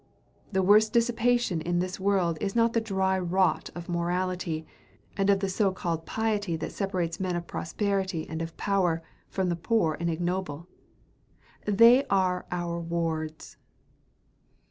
The worst dissipation in this world is the dry rot of morality, and of the so called piety that separates men of prosperity and of power from the poor and ignoble. They are our wards....